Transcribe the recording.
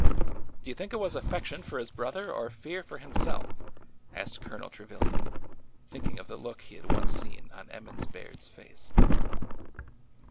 | Do you think it was affection for his brother or fear for himself?" asked Colonel Trevilian, thinking of the look he had once seen on Emmons Baird's face.